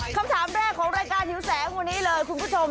คำถามแรกของรายการหิวแสงวันนี้เลยคุณผู้ชม